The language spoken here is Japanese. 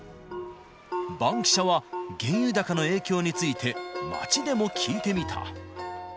バンキシャは、原油高の影響について、街でも聞いてみた。